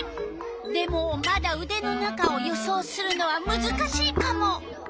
でもまだうでの中を予想するのはむずかしいカモ。